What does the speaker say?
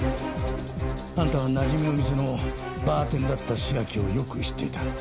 あんたはなじみの店のバーテンだった白木をよく知っていた。